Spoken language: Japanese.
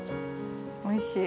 おいしい。